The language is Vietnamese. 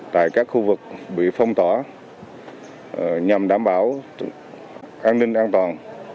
tại các khu vực bị phong tỏa nhằm đảm bảo an ninh an toàn